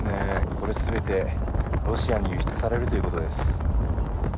これすべて、ロシアに輸出されるということです。